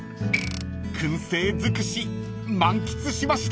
［燻製尽くし満喫しました］